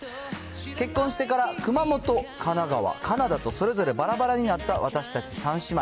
結婚してから熊本、神奈川、カナダとそれぞればらばらになった私たち３姉妹。